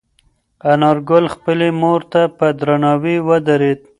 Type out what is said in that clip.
انارګل خپلې مور ته په درناوي ودرېد.